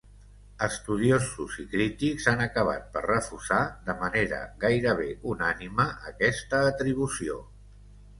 Estudiosos i crítics han acabat per refusar, de manera gairebé unànime, aquesta atribució.